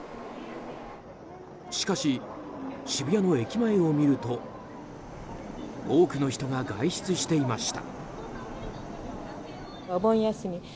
しかし、渋谷の駅前を見ると多くの人が外出していました。